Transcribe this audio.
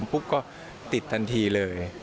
ปุ๊บก็ติดทันทีเลย